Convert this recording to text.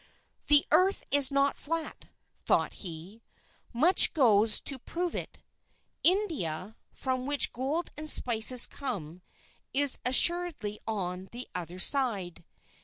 "The Earth is not flat," thought he, "much goes to prove it. India, from which gold and spices come, is assuredly on the other side.